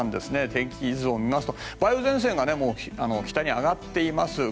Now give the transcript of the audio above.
天気図を見ますと梅雨前線が北に上がっています。